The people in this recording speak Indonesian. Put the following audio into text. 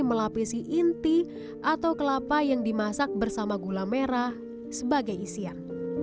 melapisi inti atau kelapa yang dimasak bersama gula merah sebagai isian